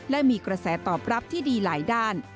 และมีกระแสตอบรับที่ดีหลายด้าน